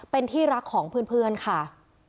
เป็นที่รักของเพื่อนค่ะ